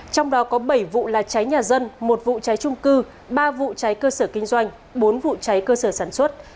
trong đó có bảy vụ là cháy nhà dân một vụ cháy trung cư ba vụ cháy cơ sở kinh doanh bốn vụ cháy cơ sở sản xuất